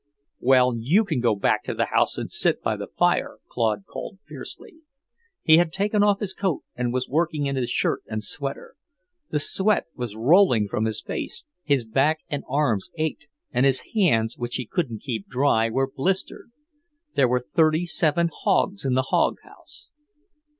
"Well, you can go back to the house and sit by the fire," Claude called fiercely. He had taken off his coat and was working in his shirt and sweater. The sweat was rolling from his face, his back and arms ached, and his hands, which he couldn't keep dry, were blistered. There were thirty seven hogs in the hog house.